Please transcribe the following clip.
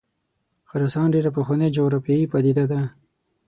خراسان ډېره پخوانۍ جغرافیایي پدیده ده.